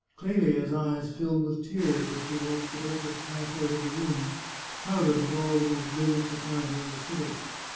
Clelia's eyes filled with tears as she watched the duchess pass out of the rooms, crowded with all the most brilliant society of the city.